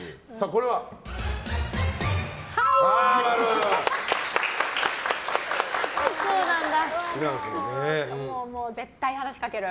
これはもう、絶対に話しかける。